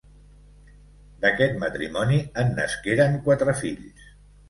D'aquest matrimoni, en nasqueren quatre fills: